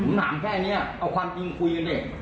ผมถามแค่นี้เอาความจริงคุยกันดิ